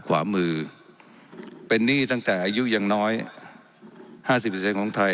ขวามือเป็นหนี้ตั้งแต่อายุยังน้อยห้าสิบเปอร์เซ็นต์ของไทย